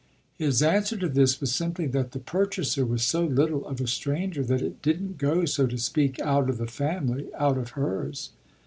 His answer to this was simply that the purchaser was so little of a stranger that it didn't go, so to speak, out of the family, out of hers.